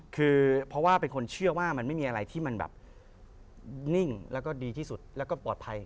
คือเพราะว่าเป็นคนเชื่อว่ามันไม่มีอะไรที่มันแบบนิ่งแล้วก็ดีที่สุดแล้วก็ปลอดภัย